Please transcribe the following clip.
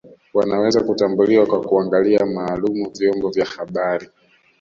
Wanaweza kutambuliwa kwa kuangalia maalum vyombo vya habari